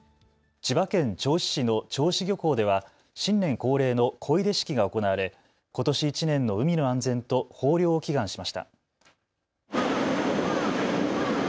千葉県銚子市の銚子漁港では新年恒例の漕出式が行われことし１年の海の安全と豊漁を祈願しました。